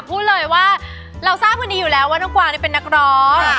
พูดเลยว่าเราทราบวันนี้อยู่แล้วว่าน้องกวางนี่เป็นนักร้อง